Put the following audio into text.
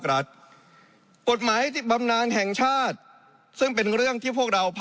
มีกฎหมายที่เป็นกฎหมายพิธีกระนอบ